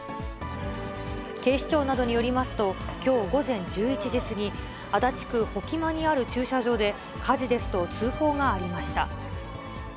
警視庁などによりますと、きょう午前１１時過ぎ、足立区保木間にある駐車場で、火事ですと通報がありました。